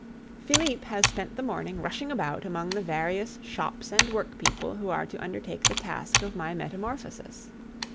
Philippe has spent the morning rushing about among the various shops and workpeople who are to undertake the task of my metamorphosis.